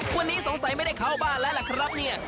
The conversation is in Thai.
วันนี้สงสัยไม่ได้เข้าบ้านแล้วล่ะครับเนี่ย